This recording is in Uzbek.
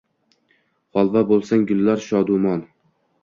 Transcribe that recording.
Holva boʼlsang, gullar shodumon